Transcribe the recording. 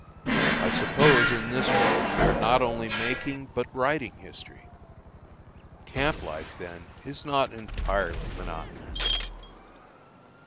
I suppose in this way we are not only making, but writing history. Camp life then is not entirely monotonous.